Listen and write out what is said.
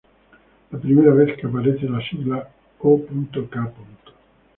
La primera vez que aparece la sigla "o.k.